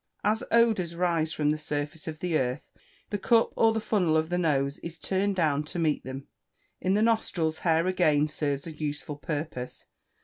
As odours arise from the surface of the earth, the cup or funnel of the nose is turned down to meet them. In the nostrils hair again serves a useful purpose.